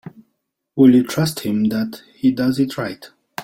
Will you trust him that he does it right?